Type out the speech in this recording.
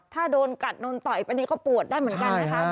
ถ้าโดนกัดโดนต่อยไปนี่ก็ปวดได้เหมือนกันนะคะ